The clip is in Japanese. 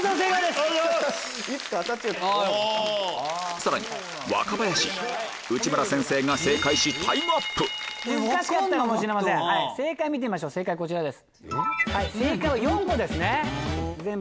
さらに若林内村先生が正解しタイムアップ難しかったかもしれません正解見てみましょうこちらです。